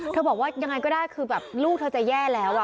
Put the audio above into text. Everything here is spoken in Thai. บอกว่ายังไงก็ได้คือแบบลูกเธอจะแย่แล้ว